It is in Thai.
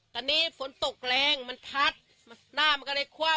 ตอนนี้ฝนตกแรงมันพัดหน้ามันก็เลยคว่ำ